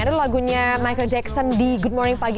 ada lagunya michael jackson di good morning pagi